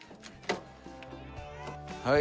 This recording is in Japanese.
はい。